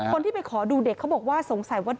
คนที่ไปขอดูเด็กเขาบอกว่าสงสัยว่า